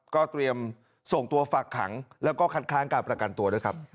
ก็เตรียมส่งตัวฝากขังแล้วก็คัดค้างการประกันตัวด้วยครับ